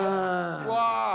うわ。